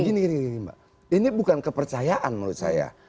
begini ini bukan kepercayaan menurut saya